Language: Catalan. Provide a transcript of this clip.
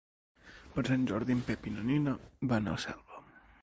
Per Sant Jordi en Pep i na Nina van a Selva.